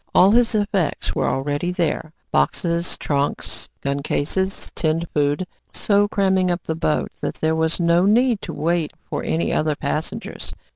All his effects were already there boxes, trunks, gun cases, tinned food, so cramming up the boat that there was no need to wait for any other passengers.